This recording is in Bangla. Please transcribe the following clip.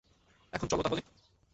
এখন চলো তাহলে?